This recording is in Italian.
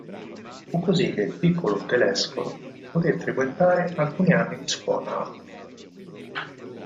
Fu così che il piccolo Telesforo poté frequentare alcuni anni di scuola a Modena.